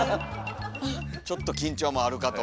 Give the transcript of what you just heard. ちょっと緊張もあるかと。